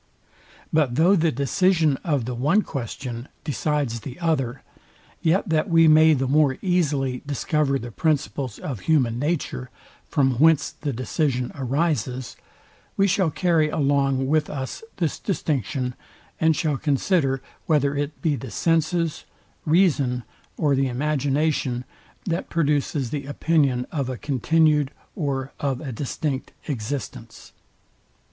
But though the decision of the one question decides the other; yet that we may the more easily discover the principles of human nature, from whence the decision arises, we shall carry along with us this distinction, and shall consider, whether it be the senses, reason, or the imagination, that produces the opinion of a continued or of a distinct existence.